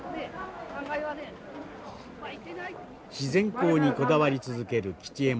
自然光にこだわり続ける吉右衛門さん。